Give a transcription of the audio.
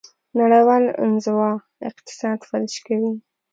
نړیوال انزوا اقتصاد فلج کوي.